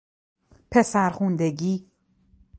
پسر خواندگی